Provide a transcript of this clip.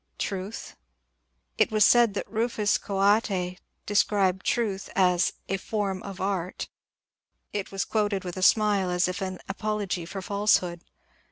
Truth ? It was said that Rufus Choate described Truth as *• a form of Art." It was quoted with a smile, as if an apology for falsehood.